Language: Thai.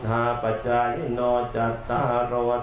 ยามเหงื่อยามท้อยามขึ้นบาง